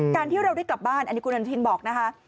การที่เราได้กลับบ้านอันนี้คุณอนุทินบอกนะคะ